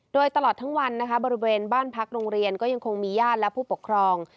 โดยตลอดทั้งวันนะคะบริเวณบ้านพักโรงเรียนก็ยังคงมีญาติและผู้ปกครอง